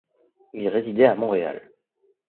Il résidait à Montréal.